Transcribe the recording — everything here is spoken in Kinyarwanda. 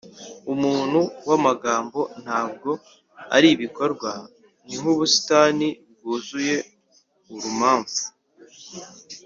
umuntu wamagambo ntabwo ari ibikorwa ni nkubusitani bwuzuye urumamfu.